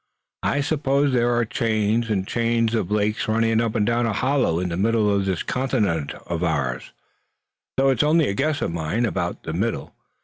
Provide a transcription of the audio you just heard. I suppose there are chains and chains of lakes running up and down a hollow in the middle of this continent of ours, though it's only a guess of mine about the middle.